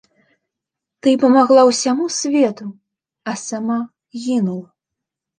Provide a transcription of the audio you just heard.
Ты памагала ўсяму свету, а сама гінула.